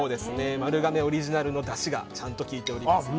丸亀オリジナルのだしがちゃんときいております。